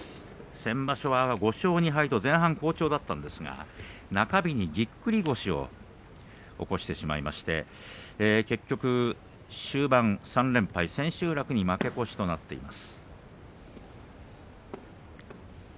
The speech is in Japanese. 先場所は５勝２敗と前半好調だったんですが中日にぎっくり腰を起こしてしまいまして結局、終盤３連敗千秋楽に負け越しとなっています。